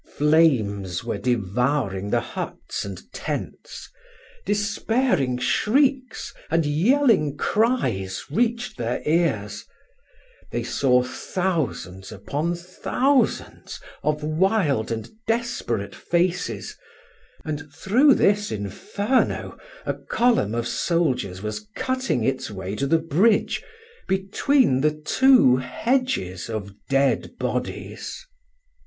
Flames were devouring the huts and tents. Despairing shrieks and yelling cries reached their ears; they saw thousands upon thousands of wild and desperate faces; and through this inferno a column of soldiers was cutting its way to the bridge, between the two hedges of dead bodies.